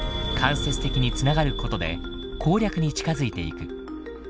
間接的に繋がることで攻略に近づいていく。